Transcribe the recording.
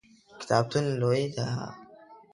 کتابتون لوی دی؟